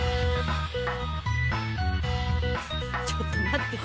ちょっと待って。